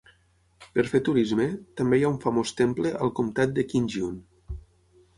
Per fer turisme, també hi ha un famós temple al Comtat de Qingyun.